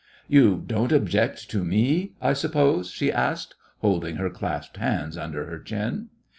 "You don't object to me, I suppose?" she asked, holding her clasped hands under her chin.